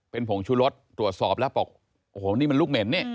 เป็นผงชุรสตรวจสอบแล้วบอกโอ้โหนี่มันลูกเหม็นนี่